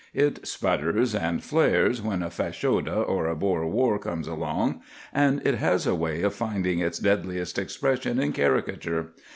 It sputters and flares when a Fashoda or a Boer War comes along, and it has a way of finding its deadliest expression in caricature.